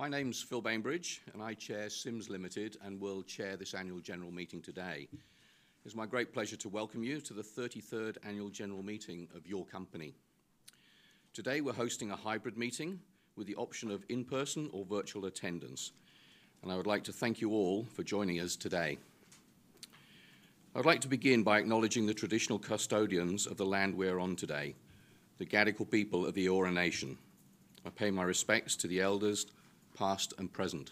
My name's Phil Bainbridge, and I chair Sims Limited and will chair this Annual General Meeting today. It's my great pleasure to welcome you to the 33rd Annual General Meeting of your company. Today we're hosting a hybrid meeting with the option of in-person or virtual attendance, and I would like to thank you all for joining us today. I'd like to begin by acknowledging the traditional custodians of the land we're on today, the Gadigal people of the Eora Nation. I pay my respects to the elders past and present.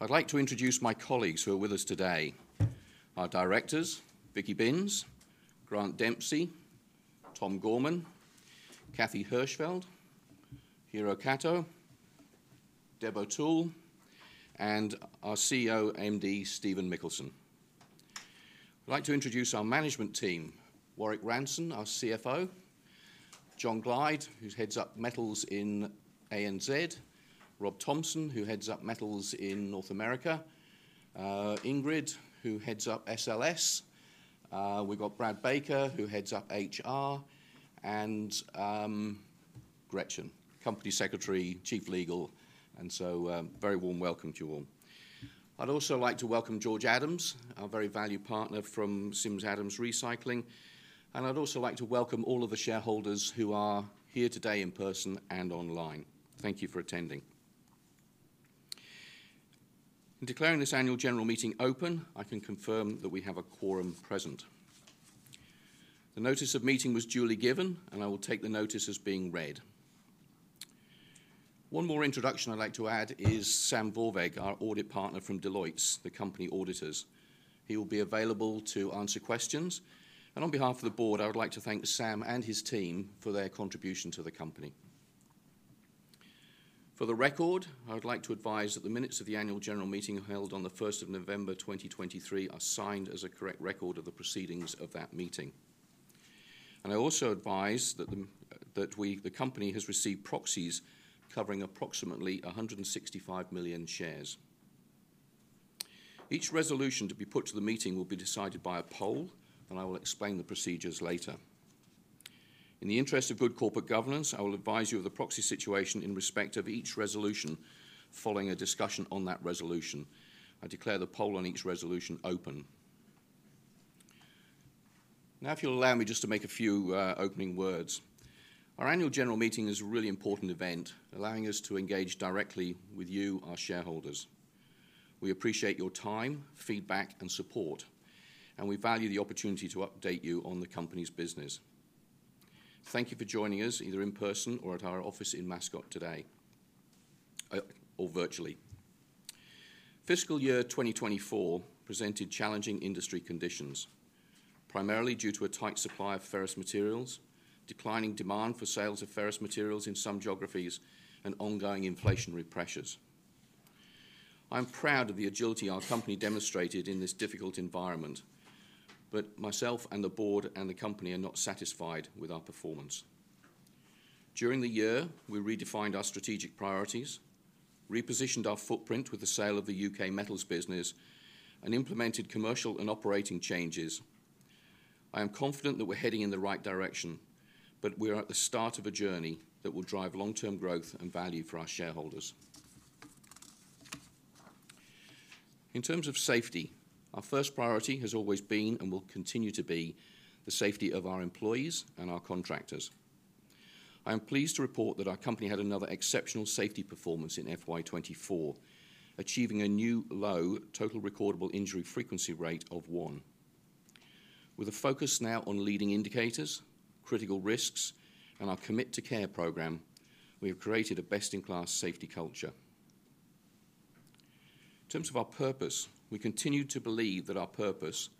I'd like to introduce my colleagues who are with us today: our directors, Vicky Binns, Grant Dempsey, Tom Gorman, Kathy Hirschfeld, Hiro Kato, Deborah O'Toole, and our CEO, MD Stephen Mikkelsen. I'd like to introduce our management team: Warrick Ranson, our CFO, John Glyde, who heads up metals in ANZ, Rob Thompson, who heads up metals in North America, Ingrid, who heads up SLS, we've got Brad Baker, who heads up HR, and Gretchen, Company Secretary, Chief Legal, and so a very warm welcome to you all. I'd also like to welcome George Adams, our very valued partner from Sims Adams Recycling, and I'd also like to welcome all of the shareholders who are here today in person and online. Thank you for attending. In declaring this Annual General Meeting open, I can confirm that we have a quorum present. The notice of meeting was duly given, and I will take the notice as being read. One more introduction I'd like to add is Sam Vorwerg, our Audit Partner from Deloitte, the company auditors. He will be available to answer questions, and on behalf of the board, I would like to thank Sam and his team for their contribution to the company. For the record, I would like to advise that the minutes of the Annual General Meeting held on the 1st of November 2023 are signed as a correct record of the proceedings of that meeting, and I also advise that the company has received proxies covering approximately 165 million shares. Each resolution to be put to the meeting will be decided by a poll, and I will explain the procedures later. In the interest of good corporate governance, I will advise you of the proxy situation in respect of each resolution following a discussion on that resolution. I declare the poll on each resolution open. Now, if you'll allow me just to make a few opening words. Our Annual General Meeting is a really important event, allowing us to engage directly with you, our shareholders. We appreciate your time, feedback, and support, and we value the opportunity to update you on the company's business. Thank you for joining us either in person or at our office in Mascot today, or virtually. Fiscal year 2024 presented challenging industry conditions, primarily due to a tight supply of ferrous materials, declining demand for sales of ferrous materials in some geographies, and ongoing inflationary pressures. I'm proud of the agility our company demonstrated in this difficult environment, but myself and the board and the company are not satisfied with our performance. During the year, we redefined our strategic priorities, repositioned our footprint with the sale of the U.K. metals business, and implemented commercial and operating changes. I am confident that we're heading in the right direction, but we're at the start of a journey that will drive long-term growth and value for our shareholders. In terms of safety, our first priority has always been and will continue to be the safety of our employees and our contractors. I am pleased to report that our company had another exceptional safety performance in FY 2024, achieving a new low Total Recordable Injury Frequency Rate of one. With a focus now on leading indicators, critical risks, and our Commit to Care program, we have created a best-in-class safety culture. In terms of our purpose, we continue to believe that our purpose,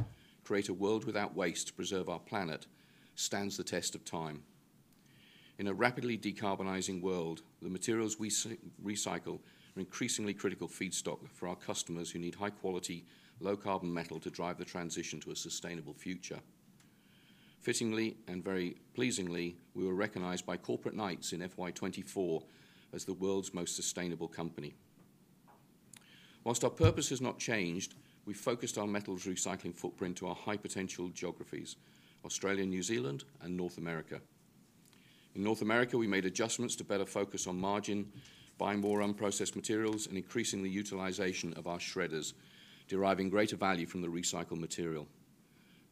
create a world without waste to preserve our planet, stands the test of time. In a rapidly decarbonizing world, the materials we recycle are increasingly critical feedstock for our customers who need high-quality, low-carbon metal to drive the transition to a sustainable future. Fittingly and very pleasingly, we were recognized by Corporate Knights in FY 2024 as the world's most sustainable company. While our purpose has not changed, we focused our metals recycling footprint to our high-potential geographies: Australia, New Zealand, and North America. In North America, we made adjustments to better focus on margin, buying more unprocessed materials, and increasing the utilization of our shredders, deriving greater value from the recycled material.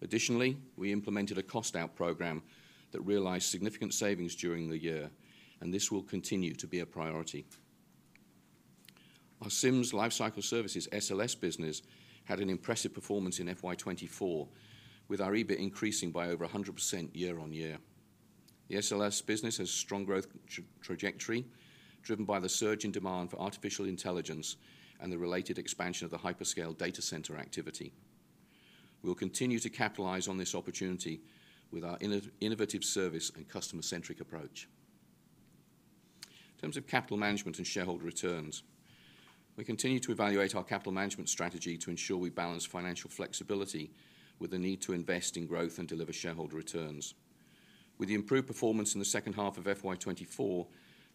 Additionally, we implemented a cost-out program that realized significant savings during the year, and this will continue to be a priority. Our Sims Lifecycle Services SLS business had an impressive performance in FY 2024, with our EBIT increasing by over 100% year-on-year. The SLS business has a strong growth trajectory driven by the surge in demand for artificial intelligence and the related expansion of the hyperscale data center activity. We'll continue to capitalize on this opportunity with our innovative service and customer-centric approach. In terms of capital management and shareholder returns, we continue to evaluate our capital management strategy to ensure we balance financial flexibility with the need to invest in growth and deliver shareholder returns. With the improved performance in the second half of FY 2024,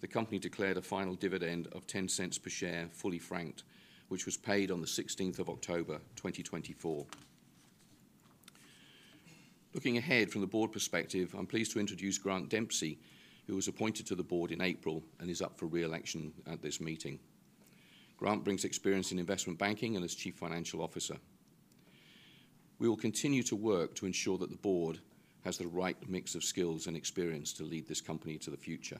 the company declared a final dividend of 0.10 per share, fully franked, which was paid on the 16th of October 2024. Looking ahead from the board perspective, I'm pleased to introduce Grant Dempsey, who was appointed to the board in April and is up for re-election at this meeting. Grant brings experience in investment banking and is Chief Financial Officer. We will continue to work to ensure that the board has the right mix of skills and experience to lead this company to the future.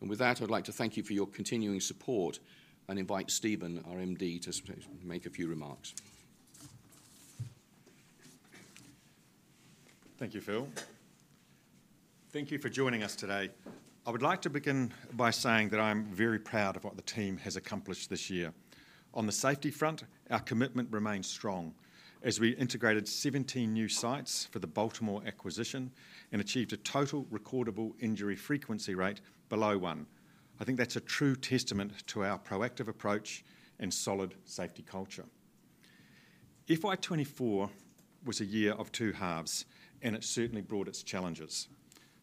And with that, I'd like to thank you for your continuing support and invite Stephen, our MD, to make a few remarks. Thank you, Phil. Thank you for joining us today. I would like to begin by saying that I'm very proud of what the team has accomplished this year. On the safety front, our commitment remains strong as we integrated 17 new sites for the Baltimore acquisition and achieved a Total Recordable Injury Frequency Rate below one. I think that's a true testament to our proactive approach and solid safety culture. FY 2024 was a year of two halves, and it certainly brought its challenges.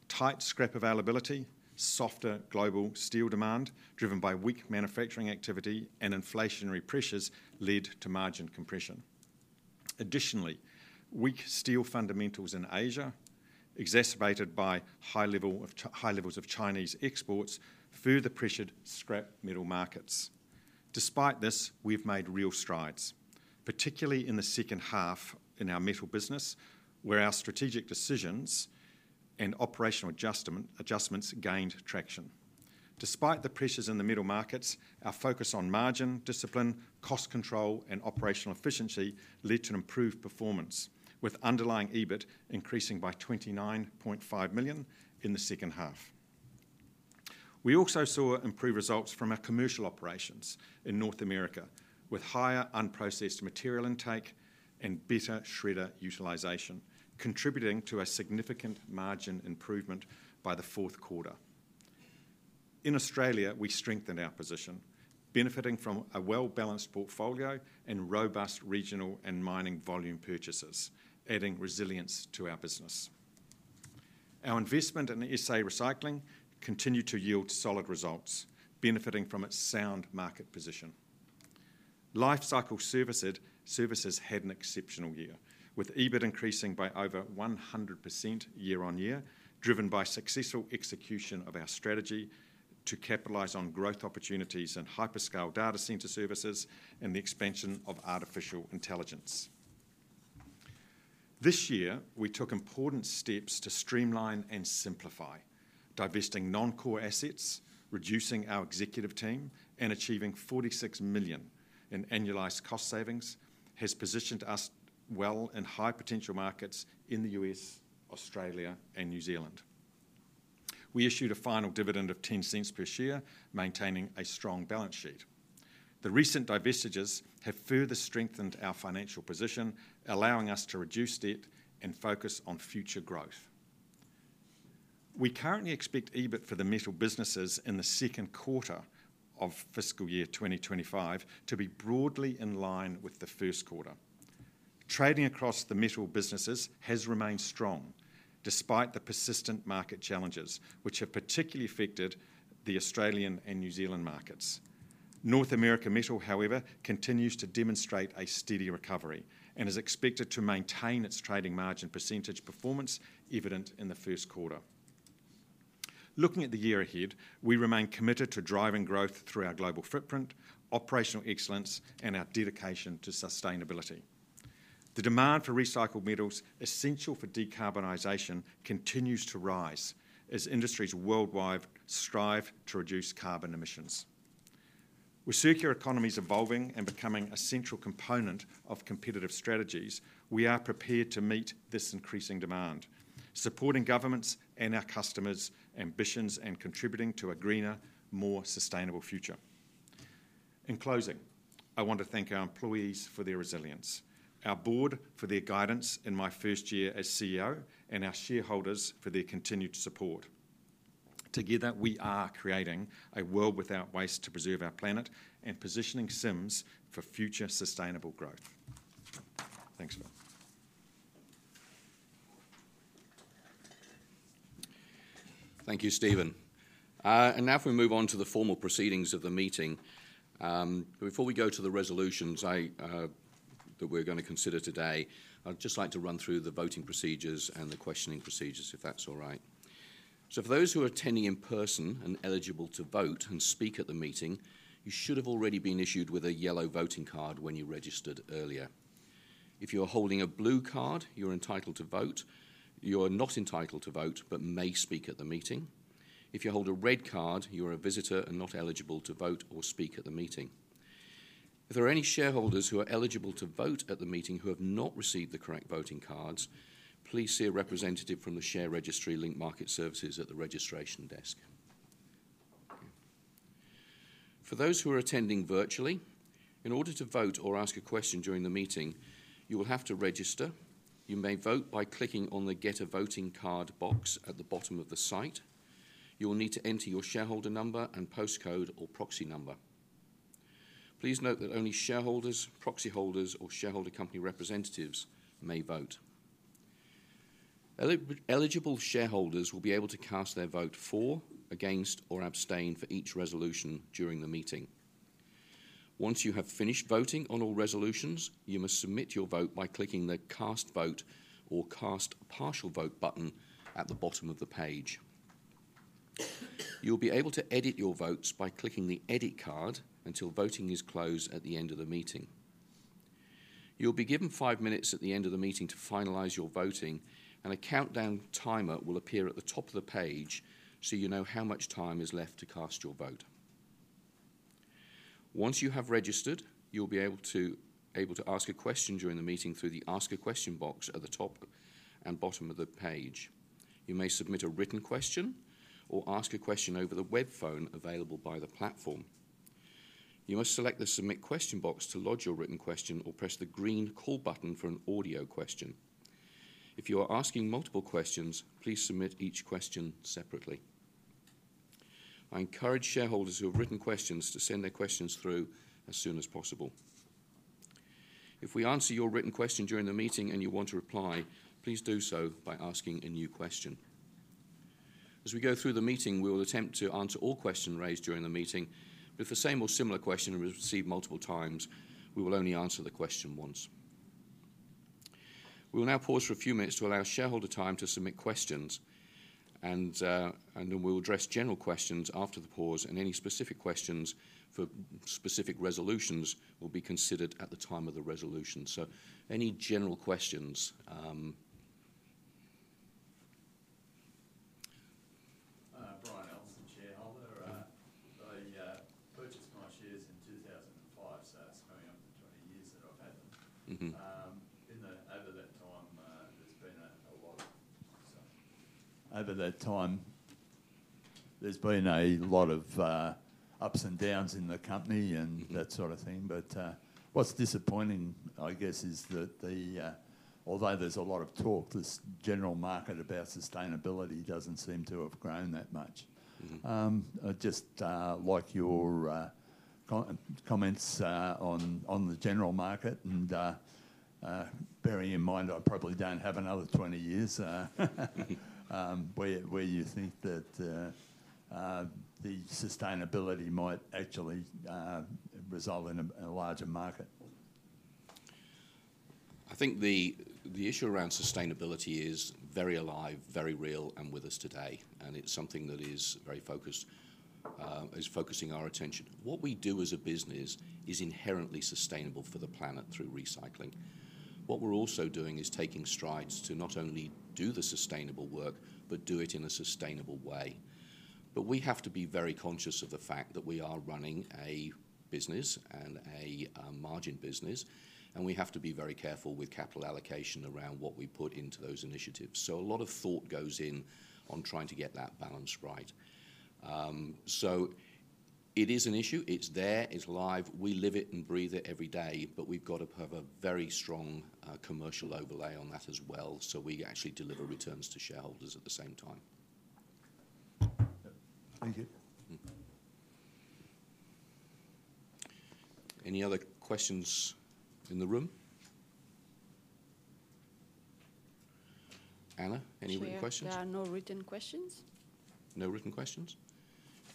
Tight scrap availability, softer global steel demand driven by weak manufacturing activity and inflationary pressures led to margin compression. Additionally, weak steel fundamentals in Asia, exacerbated by high levels of Chinese exports, further pressured scrap metal markets. Despite this, we've made real strides, particularly in the second half in our metal business, where our strategic decisions and operational adjustments gained traction. Despite the pressures in the metal markets, our focus on margin discipline, cost control, and operational efficiency led to improved performance, with underlying EBIT increasing by 29.5 million in the second half. We also saw improved results from our commercial operations in North America, with higher unprocessed material intake and better shredder utilization, contributing to a significant margin improvement by the fourth quarter. In Australia, we strengthened our position, benefiting from a well-balanced portfolio and robust regional and mining volume purchases, adding resilience to our business. Our investment in SA Recycling continued to yield solid results, benefiting from its sound market position. Lifecycle Services had an exceptional year, with EBIT increasing by over 100% year-on-year, driven by successful execution of our strategy to capitalize on growth opportunities and hyperscale data center services and the expansion of artificial intelligence. This year, we took important steps to streamline and simplify, divesting non-core assets, reducing our executive team, and achieving 46 million in annualized cost savings, which has positioned us well in high-potential markets in the U.S., Australia, and New Zealand. We issued a final dividend of 0.10 per share, maintaining a strong balance sheet. The recent divestitures have further strengthened our financial position, allowing us to reduce debt and focus on future growth. We currently expect EBIT for the metal businesses in the second quarter of fiscal year 2025 to be broadly in line with the first quarter. Trading across the metal businesses has remained strong despite the persistent market challenges, which have particularly affected the Australian and New Zealand markets. North America Metal, however, continues to demonstrate a steady recovery and is expected to maintain its trading margin percentage performance evident in the first quarter. Looking at the year ahead, we remain committed to driving growth through our global footprint, operational excellence, and our dedication to sustainability. The demand for recycled metals, essential for decarbonization, continues to rise as industries worldwide strive to reduce carbon emissions. With circular economies evolving and becoming a central component of competitive strategies, we are prepared to meet this increasing demand, supporting governments and our customers' ambitions and contributing to a greener, more sustainable future. In closing, I want to thank our employees for their resilience, our board for their guidance in my first year as CEO, and our shareholders for their continued support. Together, we are creating a world without waste to preserve our planet and positioning Sims for future sustainable growth. Thanks, Phil. Thank you, Stephen. And now if we move on to the formal proceedings of the meeting, before we go to the resolutions that we're going to consider today, I'd just like to run through the voting procedures and the questioning procedures, if that's all right. So for those who are attending in person and eligible to vote and speak at the meeting, you should have already been issued with a yellow voting card when you registered earlier. If you're holding a blue card, you're entitled to vote. You're not entitled to vote but may speak at the meeting. If you hold a red card, you're a visitor and not eligible to vote or speak at the meeting. If there are any shareholders who are eligible to vote at the meeting who have not received the correct voting cards, please see a representative from the share registry Link Market Services at the registration desk. For those who are attending virtually, in order to vote or ask a question during the meeting, you will have to register. You may vote by clicking on the Get a Voting Card box at the bottom of the site. You will need to enter your shareholder number and postcode or proxy number. Please note that only shareholders, proxy holders, or shareholder company representatives may vote. Eligible shareholders will be able to cast their vote for, against, or abstain for each resolution during the meeting. Once you have finished voting on all resolutions, you must submit your vote by clicking the Cast Vote or Cast Partial Vote button at the bottom of the page. You'll be able to edit your votes by clicking the Edit card until voting is closed at the end of the meeting. You'll be given five minutes at the end of the meeting to finalize your voting, and a countdown timer will appear at the top of the page so you know how much time is left to cast your vote. Once you have registered, you'll be able to ask a question during the meeting through the Ask a Question box at the top and bottom of the page. You may submit a written question or ask a question over the web phone available by the platform. You must select the Submit Question box to lodge your written question or press the green Call button for an audio question. If you are asking multiple questions, please submit each question separately. I encourage shareholders who have written questions to send their questions through as soon as possible. If we answer your written question during the meeting and you want to reply, please do so by asking a new question. As we go through the meeting, we will attempt to answer all questions raised during the meeting, but if the same or similar question is received multiple times, we will only answer the question once. We will now pause for a few minutes to allow shareholder time to submit questions, and then we'll address general questions after the pause, and any specific questions for specific resolutions will be considered at the time of the resolution. So any general questions? Brian, also a shareholder. I purchased my shares in 2005, so that's coming up on 20 years that I've had them. Over that time, there's been a lot of. Over that time, there's been a lot of ups and downs in the company and that sort of thing. But what's disappointing, I guess, is that although there's a lot of talk, this general market about sustainability doesn't seem to have grown that much. Just like your comments on the general market and bearing in mind I probably don't have another 20 years, where you think that the sustainability might actually result in a larger market. I think the issue around sustainability is very alive, very real, and with us today, and it's something that is very focused, is focusing our attention. What we do as a business is inherently sustainable for the planet through recycling. What we're also doing is taking strides to not only do the sustainable work, but do it in a sustainable way. But we have to be very conscious of the fact that we are running a business and a margin business, and we have to be very careful with capital allocation around what we put into those initiatives. So a lot of thought goes in on trying to get that balance right. So it is an issue. It's there. It's live. We live it and breathe it every day, but we've got to have a very strong commercial overlay on that as well so we actually deliver returns to shareholders at the same time. Thank you. Any other questions in the room? Anna, any written questions? Thank you. No written questions. No written questions.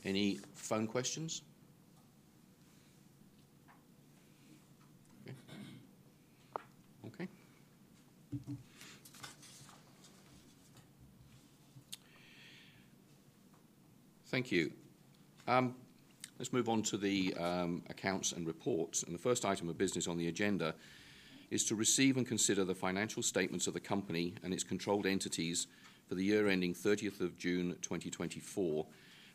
Any phone questions? Okay. Okay. Thank you. Let's move on to the accounts and reports. And the first item of business on the agenda is to receive and consider the financial statements of the company and its controlled entities for the year ending 30th of June 2024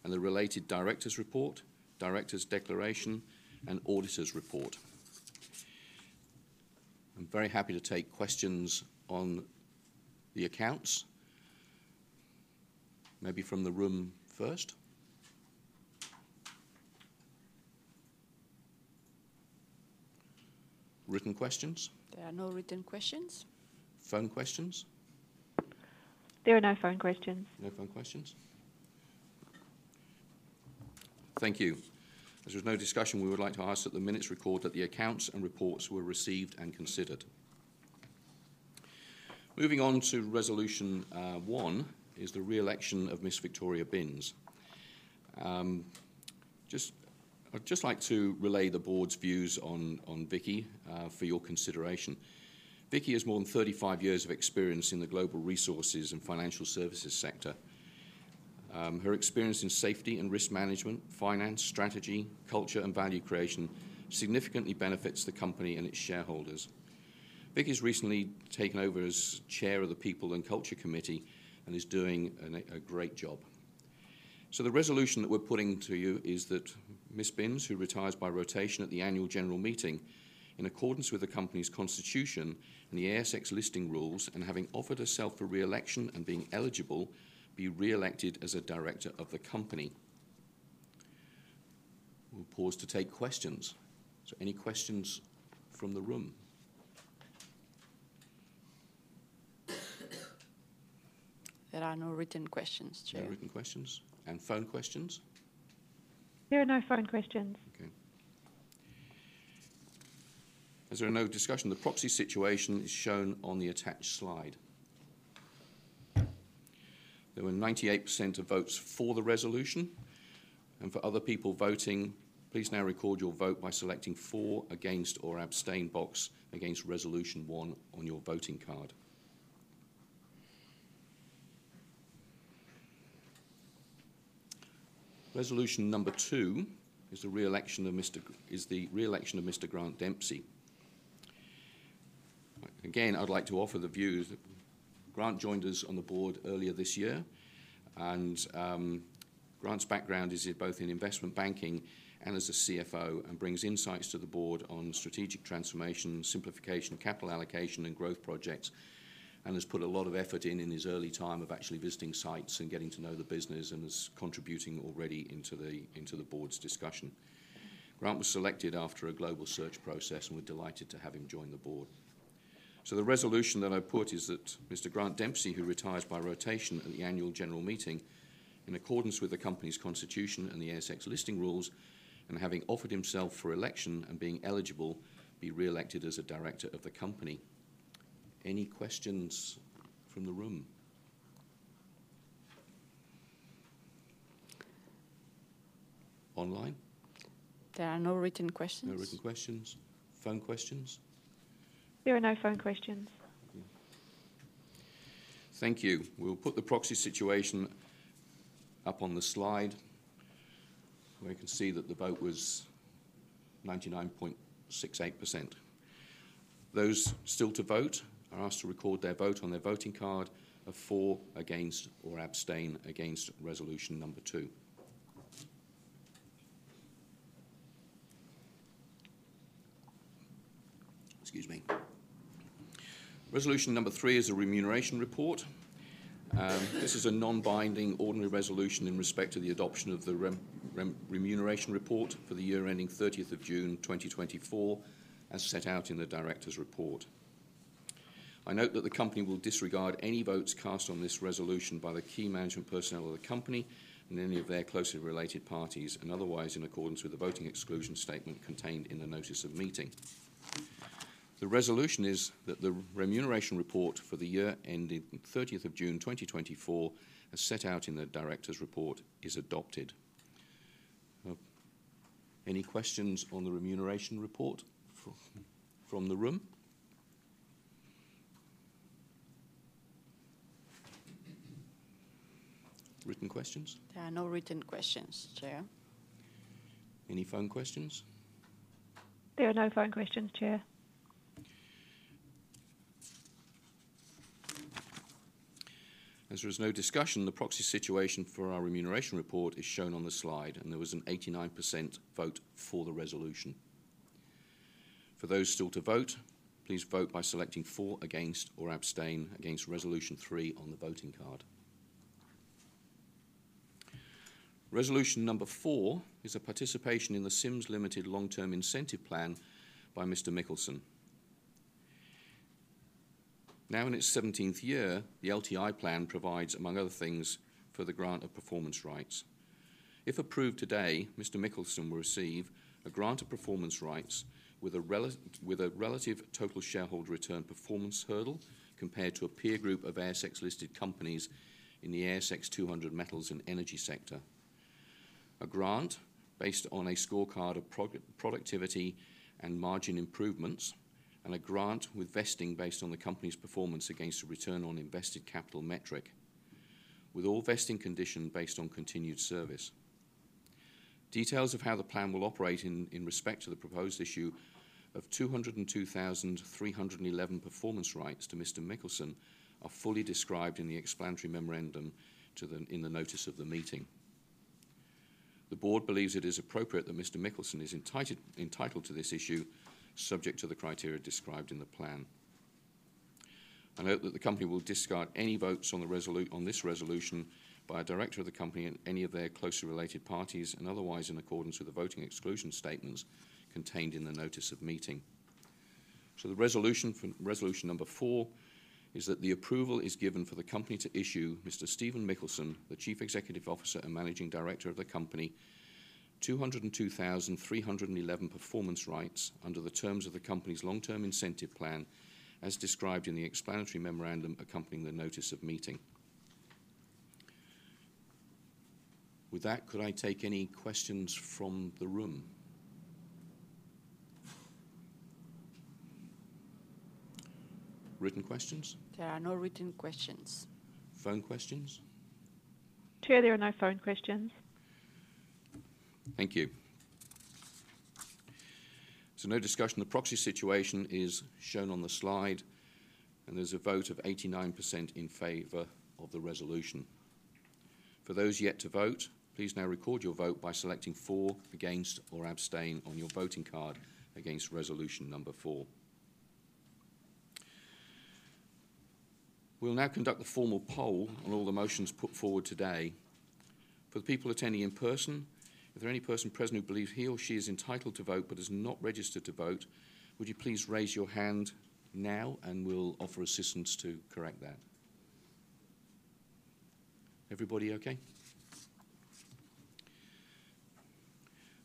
and the related director's report, director's declaration, and auditor's report. I'm very happy to take questions on the accounts. Maybe from the room first. Written questions? There are no written questions. Phone questions? There are no phone questions. No phone questions. Thank you. As there was no discussion, we would like to ask that the minutes record that the accounts and reports were received and considered. Moving on to resolution one is the re-election of Ms. Victoria Binns. I'd just like to relay the board's views on Vicky for your consideration. Vicky has more than 35 years of experience in the global resources and financial services sector. Her experience in safety and risk management, finance, strategy, culture, and value creation significantly benefits the company and its shareholders. Vicky's recently taken over as chair of the People and Culture Committee and is doing a great job. So the resolution that we're putting to you is that Ms. Binns, who retires by rotation at the Annual General Meeting, in accordance with the company's constitution and the ASX listing rules, and having offered herself for re-election and being eligible, be re-elected as a director of the company. We'll pause to take questions. So any questions from the room? There are no written questions, Chair. No written questions, and phone questions? There are no phone questions. Okay. As there are no discussions, the proxy situation is shown on the attached slide. There were 98% of votes for the resolution, and for other people voting, please now record your vote by selecting For, Against, or Abstain box against resolution one on your voting card. Resolution number two is the re-election of Mr. Grant Dempsey. Again, I'd like to offer the view that Grant joined us on the board earlier this year, and Grant's background is both in investment banking and as a CFO and brings insights to the board on strategic transformation, simplification, capital allocation, and growth projects, and has put a lot of effort in his early time of actually visiting sites and getting to know the business and is contributing already into the board's discussion. Grant was selected after a global search process, and we're delighted to have him join the board. The resolution that I put is that Mr. Grant Dempsey, who retires by rotation at the Annual General Meeting, in accordance with the company's constitution and the ASX listing rules, and having offered himself for election and being eligible, be re-elected as a director of the company. Any questions from the room? Online? There are no written questions. No written questions. Phone questions? There are no phone questions. Thank you. We'll put the proxy situation up on the slide where you can see that the vote was 99.68%. Those still to vote are asked to record their vote on their voting card of For, Against, or Abstain against resolution number two. Excuse me. Resolution number three is a remuneration report. This is a non-binding ordinary resolution in respect to the adoption of the remuneration report for the year ending 30th of June 2024 as set out in the directors' report. I note that the company will disregard any votes cast on this resolution by the key management personnel of the company and any of their closely related parties, and otherwise in accordance with the voting exclusion statement contained in the notice of meeting. The resolution is that the remuneration report for the year ending 30th of June 2024 as set out in the directors' report is adopted. Any questions on the remuneration report from the room? Written questions? There are no written questions, Chair. Any phone questions? There are no phone questions, Chair. As there was no discussion, the proxy situation for our remuneration report is shown on the slide, and there was an 89% vote for the resolution. For those still to vote, please vote by selecting For, Against, or Abstain against resolution three on the voting card. Resolution number four is a participation in the Sims Limited long-term incentive plan by Mr. Mikkelsen. Now in its 17th year, the LTI plan provides, among other things, for the grant of performance rights. If approved today, Mr. Mikkelsen will receive a grant of performance rights with a relative Total Shareholder Return performance hurdle compared to a peer group of ASX-listed companies in the ASX 200 metals and energy sector, a grant based on a scorecard of productivity and margin improvements, and a grant with vesting based on the company's performance against a Return on Invested Capital metric, with all vesting conditioned based on continued service. Details of how the plan will operate in respect to the proposed issue of 202,311 performance rights to Mr. Mikkelsen are fully described in the explanatory memorandum in the notice of the meeting. The board believes it is appropriate that Mr. Mikkelsen is entitled to this issue, subject to the criteria described in the plan. I note that the company will discard any votes on this resolution by a director of the company and any of their closely related parties, and otherwise in accordance with the voting exclusion statements contained in the notice of meeting, so the resolution number four is that the approval is given for the company to issue Mr. Stephen Mikkelsen, the Chief Executive Officer and Managing Director of the company, 202,311 performance rights under the terms of the company's Long-Term Incentive Plan as described in the explanatory memorandum accompanying the notice of meeting. With that, could I take any questions from the room? Written questions? There are no written questions. Phone questions? Chair, there are no phone questions. Thank you. So no discussion. The proxy situation is shown on the slide, and there's a vote of 89% in favor of the resolution. For those yet to vote, please now record your vote by selecting For, Against, or Abstain on your voting card against resolution number four. We'll now conduct a formal poll on all the motions put forward today. For the people attending in person, if there are any persons present who believe he or she is entitled to vote but is not registered to vote, would you please raise your hand now, and we'll offer assistance to correct that. Everybody okay?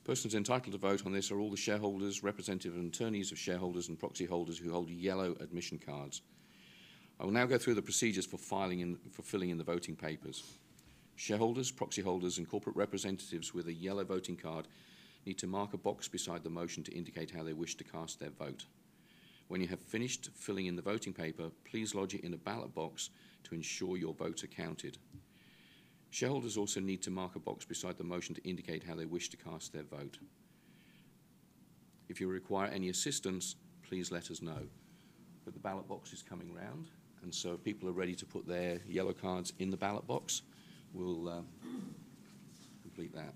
Persons entitled to vote on this are all the shareholders, representatives, and attorneys of shareholders and proxy holders who hold yellow admission cards. I will now go through the procedures for filling in the voting papers. Shareholders, proxy holders, and corporate representatives with a yellow voting card need to mark a box beside the motion to indicate how they wish to cast their vote. When you have finished filling in the voting paper, please lodge it in a ballot box to ensure your votes are counted. Shareholders also need to mark a box beside the motion to indicate how they wish to cast their vote. If you require any assistance, please let us know, but the ballot box is coming round, and so if people are ready to put their yellow cards in the ballot box, we'll complete that.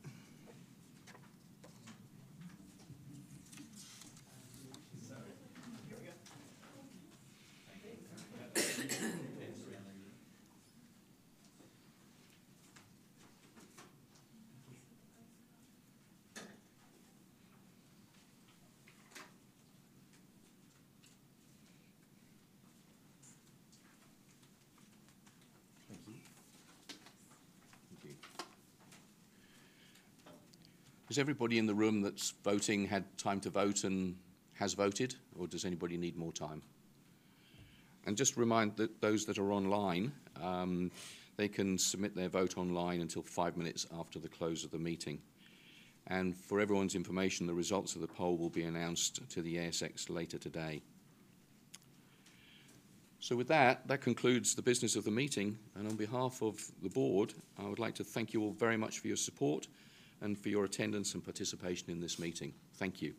Thank you. Thank you. Is everybody in the room that's voting had time to vote and has voted, or does anybody need more time? And just a reminder that those that are online, they can submit their vote online until five minutes after the close of the meeting. And for everyone's information, the results of the poll will be announced to the ASX later today. So with that, that concludes the business of the meeting, and on behalf of the board, I would like to thank you all very much for your support and for your attendance and participation in this meeting. Thank you.